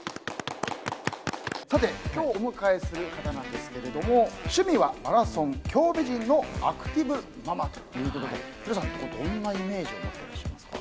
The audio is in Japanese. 今日お迎えする方ですが趣味はマラソン、京美人のアクティブママということでヒロさん、どんなイメージを持っていらっしゃいますか？